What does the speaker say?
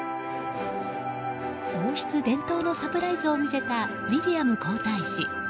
王室伝統のサプライズを見せたウィリアム皇太子。